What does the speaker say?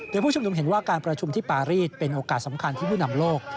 โดยผู้ชุมนุมเห็นว่าการประชุมที่ปารีสเป็นโอกาสสำคัญที่ผู้นำโลก